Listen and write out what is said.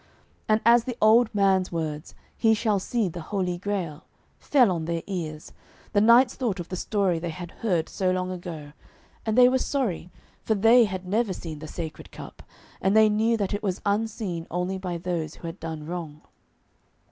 And as the old man's words, 'He shall see the Holy Grail,' fell on their ears, the knights thought of the story they had heard so long ago, and they were sorry, for they had never seen the Sacred Cup, and they knew that it was unseen only by those who had done wrong.